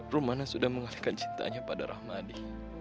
rumana sudah mengalihkan cintanya pada rahmadi